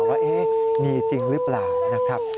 ว่าเอ๊ะมีจริงรึเปล่านะครับ